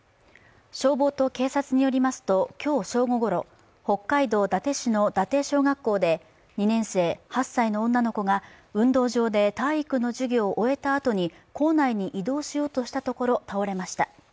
消防と警察によりますと今日正午ごろ、北海道伊達市の伊達小学校で２年生、８歳の女の子が運動場で体育の授業を終えたあとに校内に移動しようとしたところ、倒れました。